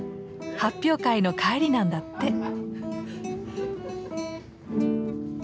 発表会の帰りなんだって。